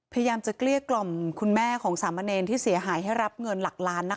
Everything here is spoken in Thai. พยายามจะเกลี้ยกล่อมคุณแม่ของสามเณรที่เสียหายให้รับเงินหลักล้านนะคะ